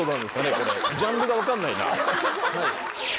これジャンルが分かんないな。